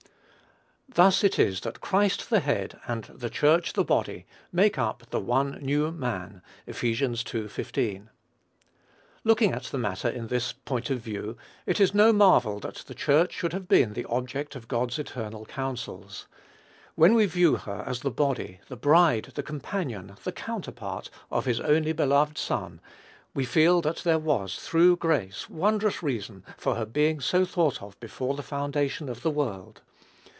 Thus it is that Christ the Head, and the Church the body, make up the "one new man." (Eph. ii. 15.) Looking at the matter in this point of view, it is no marvel that the Church should have been the object of God's eternal counsels. When we view her as the body, the bride, the companion, the counterpart, of his only begotten Son, we feel that there was, through grace, wondrous reason for her being so thought of before the foundation of the world.